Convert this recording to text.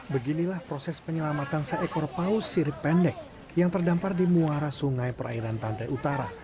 beginilah proses penyelamatan seekor paus sirip pendek yang terdampar di muara sungai perairan pantai utara